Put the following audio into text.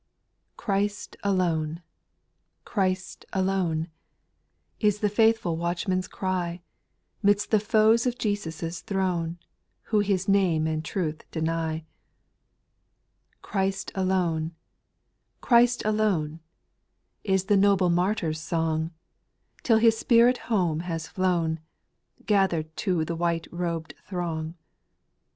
8. Christ alone — Christ alone — Is the faithful watchman's cry, Midst the foes of Jesus' throne, Who His name and truth deny. 4. Christ alone — Christ alone — Is the noble martyr's song, Till his spirit home has flown, Gather'd to the white robed throng.